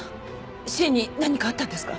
芯に何かあったんですか？